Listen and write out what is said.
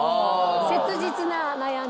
切実な悩み。